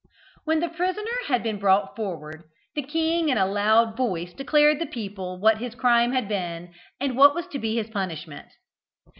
When the prisoner had been brought forward, the king in a loud voice declared to the people what his crime had been, and what was to be his punishment.